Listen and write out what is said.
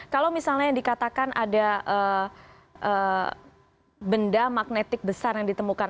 kalau misalnya dikatakan ada benda magnetik besar yang ditemukan